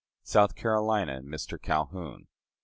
South Carolina and Mr. Calhoun.